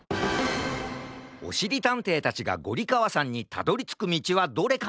おしりたんていたちがゴリかわさんにたどりつくみちはどれかな？